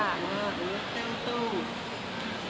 ว่าเออแก้วตู้